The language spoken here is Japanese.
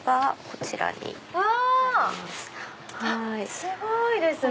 すごいですね。